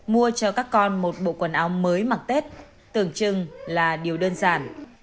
mua cho các con một bộ quần áo mới mặc tết tưởng chừng là điều đơn giản